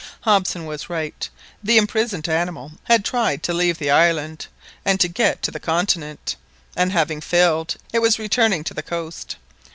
Hobson was right, the imprisoned animal had tried to leave the island and to get to the continent, and having failed it was returning to the coast.